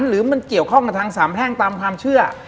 หรือมันเกี่ยวข้องกับทางสามแพ่งตามความเชื่อ